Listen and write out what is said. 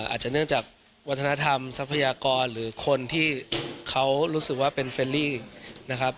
อาจจะเนื่องจากวัฒนธรรมทรัพยากรหรือคนที่เขารู้สึกว่าเป็นเฟรลี่นะครับ